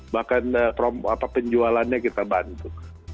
bahkan penjualannya kita bantu